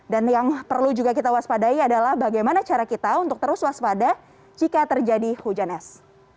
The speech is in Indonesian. dan yang perlu juga kita waspadai adalah bagaimana cara kita untuk terus waspada jika terjadi hujan es